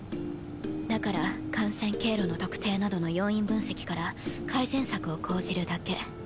だから感染経路の特定などの要因分析から改善策を講じるだけ。